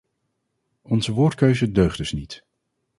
Onze woordkeuze deugt dus niet.